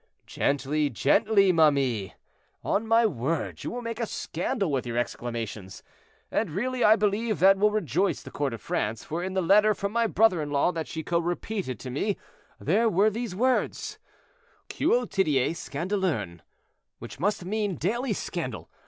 "Gently, gently, ma mie. On my word you will make a scandal with your exclamations; and really I believe that will rejoice the court of France, for in the letter from my brother in law that Chicot repeated to me, there was these words, 'Quotidie scandalurn,' which must mean 'daily scandal.'